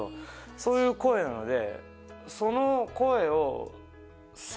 そういう声なので。